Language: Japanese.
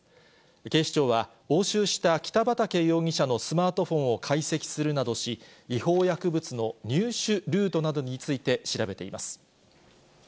警視庁は押収した北畠容疑者のスマートフォンを解析するなどし、違法薬物の入手ルートなどについて調べています。